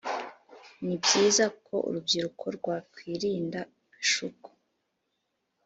ni byiza ko urubyiruko rwakwirinda ibishuko